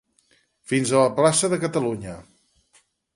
Fins a la plaça de Catalunya.